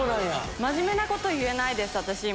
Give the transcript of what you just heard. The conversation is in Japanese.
真面目なこと言えないです、私、今。